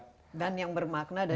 dan yang bermakna dan yang dibutuhkan